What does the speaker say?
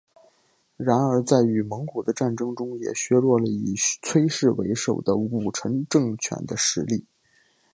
然而在与蒙古的战争中也削弱了以崔氏为首的武臣政权的实力。